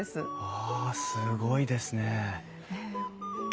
わあすごいですね。